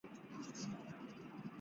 奥唐日人口变化图示